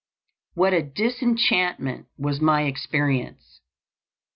What a disenchantment was my experience!